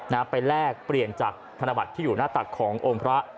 ไปแลกเปลี่ยนจากธนบัตรที่อยู่หน้าตักขององค์พระ